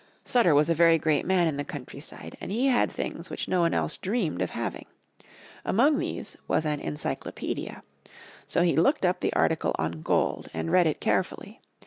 Sutter was a very great man in the countryside, and he had things which no one else dreamed of having. Among these was an Encyclopedia. So he looked up the article on gold and read it carefully.